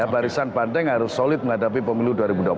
barisan bandeng harus solid menghadapi pemilu dua ribu dua puluh